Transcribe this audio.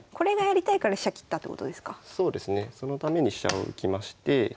そのために飛車を浮きまして。